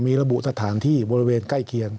มีระบุสถานที่บริเวณใกล้เคียง